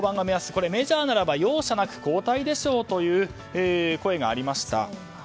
これ、メジャーなら容赦なく交代でしょという声がありました。